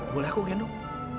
boleh aku gendong